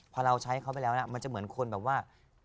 พอเราใช้เขาไปแล้วนะมันจะเหมือนคนแบบว่า